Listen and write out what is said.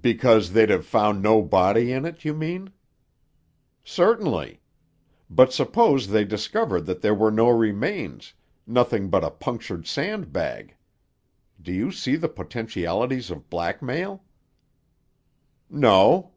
"Because they'd have found no body in it, you mean?" "Certainly. But suppose they discovered that there were no remains, nothing but a punctured sand bag. Do you see the potentialities of blackmail?" "No."